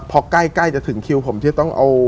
พอใกล้จะถึงคิวผมที่จะต้องเอา